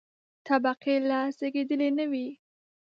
طبقې لا زېږېدلې نه وې.